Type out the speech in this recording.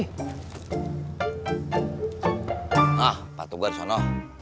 hah sepatu gua disana